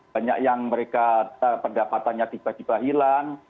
banyak yang mereka pendapatannya tiba tiba hilang